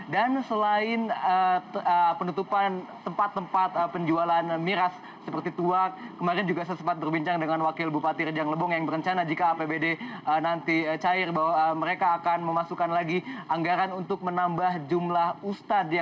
dan selain penutupan tempat tempat penjualan miras seperti tuak kemarin juga saya sempat berbincang dengan wakil bupati rejang lebong yang berencana jika apbd nanti cair bahwa mereka akan memasukkan lagi anggaran untuk menambah jumlah ustadz